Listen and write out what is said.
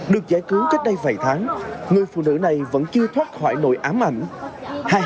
được giải cứu cách đây vài tháng người phụ nữ này vẫn chưa thoát khỏi nỗi ám ảnh